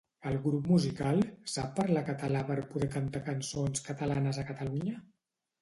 El grup musical sap parlar català per poder cantar cançons catalanes a Catalunya?